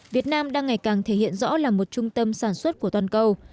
việt nam đang ngày càng thể hiện rõ là một trung tâm sản xuất của toàn cầu